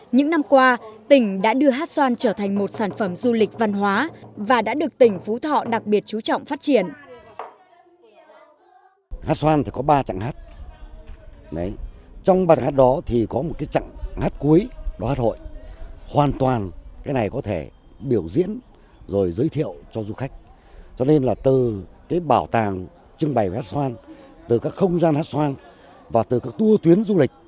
những năm qua tỉnh đã đưa hát xoan trở thành một sản phẩm du lịch văn hóa và đã được tỉnh phú thọ đặc biệt chú trọng phát triển